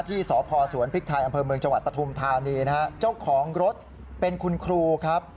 ที่สพสวนพริกไทยอำเภอเมืองจังหวัดปฐุมธานีนะฮะเจ้าของรถเป็นคุณครูครับ